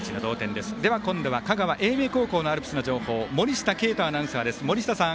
では今度は香川・英明高校のアルプスの情報森下桂人アナウンサーです。